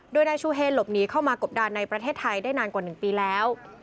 โดยนายชูเฮนหลบหนีเข้ามากบดานในประเทศไทยได้นานกว่า๑ปีแล้ว